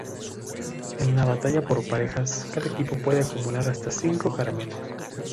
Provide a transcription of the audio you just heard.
En la Batalla por parejas, cada equipo puede acumular hasta cinco caramelos.